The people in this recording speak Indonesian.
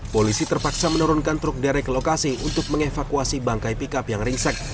polisi terpaksa menurunkan truk derek ke lokasi untuk mengevakuasi bangkai pickup yang ringsek